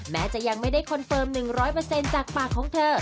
แม้จะยังไม่ได้คอนเฟิร์ม๑๐๐จากปากของเธอ